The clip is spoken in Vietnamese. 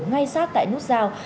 ngay sát tại nút giao